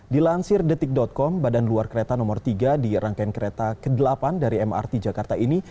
dilansir detik com badan luar kereta nomor tiga di rangkaian kereta ke delapan dari mrt jakarta ini